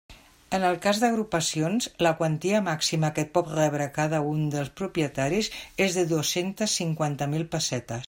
En el cas d'agrupacions, la quantia màxima que pot rebre cada un dels propietaris és de dos-centes cinquanta mil pessetes.